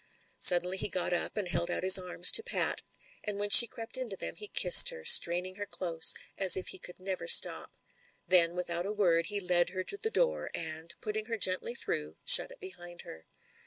Suddenly he got up, and held out his arms to Pat And when she crept into them, he kissed her, straining her close, as if he could never stop. Then, without a word, he led her to the door, and, putting her gently through, shut it behind her.